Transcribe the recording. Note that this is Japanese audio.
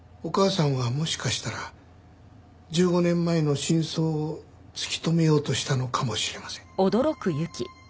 お母さんはもしかしたら１５年前の真相を突き止めようとしたのかもしれません。